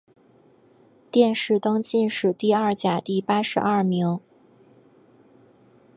殿试登进士第二甲第八十二名。